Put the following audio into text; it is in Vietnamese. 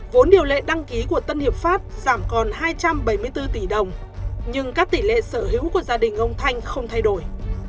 vốn điều lệ đăng ký của tân hiệp pháp giảm còn hai trăm bảy mươi bốn tỷ đồng nhưng các tỷ lệ sở hữu của gia đình ông thanh không thay đổi